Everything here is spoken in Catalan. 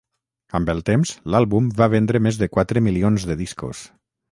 Amb el temps, l'àlbum va vendre més de quatre milions de discos.